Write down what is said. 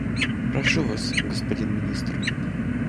Прошу Вас, господин Министр.